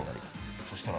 そしたら？